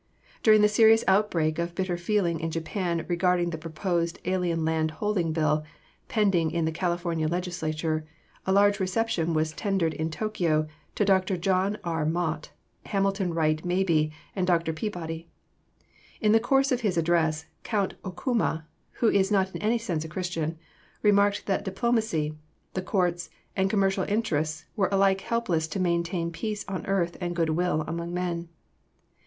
During the serious outbreak of bitter feeling in Japan regarding the proposed Alien Land Holding Bill pending in the California Legislature, a large reception was tendered in Tokyo to Dr. John R. Mott, Hamilton Wright Mabie and Dr. Peabody. In the course of his address, Count Okuma, who is not in any sense a Christian, remarked that diplomacy, the courts, and commercial interests were alike helpless to maintain peace on earth and good will among men.